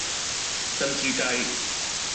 珍珠雞